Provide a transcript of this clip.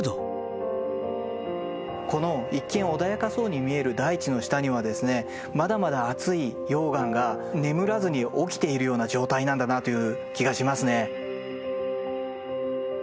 この一見穏やかそうに見える大地の下にはですねまだまだ熱い溶岩が眠らずに起きているような状態なんだなという気がしますね。